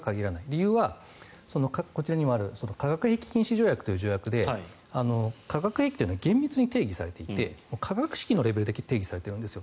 理由は、こちらにもある化学兵器禁止条約という条約で化学兵器というのは厳密に定義されていて化学式のレベルで定義されているんです。